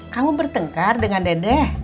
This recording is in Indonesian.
kamu bertengkar dengan dede